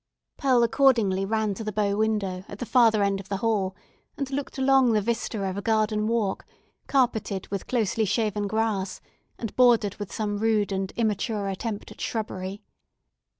Pearl accordingly ran to the bow window, at the further end of the hall, and looked along the vista of a garden walk, carpeted with closely shaven grass, and bordered with some rude and immature attempt at shrubbery.